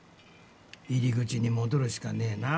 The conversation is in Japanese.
入り口に戻るしかねえな。